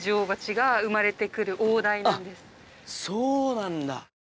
あっそうなんだ。